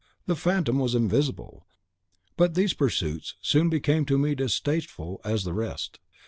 The Phantom was invisible; but these pursuits soon became to me distasteful as the rest.